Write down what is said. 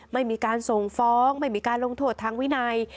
ไม่มีการส่งฟ้องไม่มีการลงโทษทางวินัย